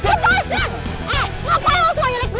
siapa yang sebenarnya meneluk gue